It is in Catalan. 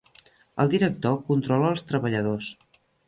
El director controla els treballadors.